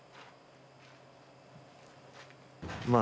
まあ